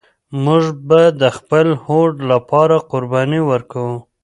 موږ به د خپل هوډ لپاره قرباني ورکوو.